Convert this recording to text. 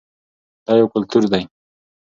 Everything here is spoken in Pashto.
دا یو کلتور دی.